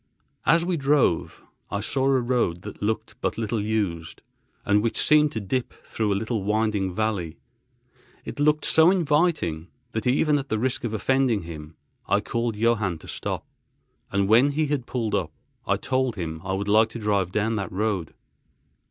As we drove, I saw a road that looked but little used, and which seemed to dip through a little, winding valley. It looked so inviting that, even at the risk of offending him, I called Johann to stop—and when he had pulled up, I told him I would like to drive down that road.